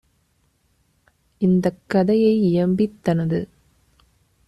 இந்தக் கதையை இயம்பித் தனது